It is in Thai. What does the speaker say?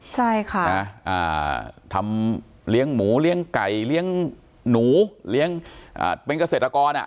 ใช่ค่ะนะทำเลี้ยงหมูเลี้ยงไก่เลี้ยงหนูเลี้ยงเป็นเกษตรกรอ่ะ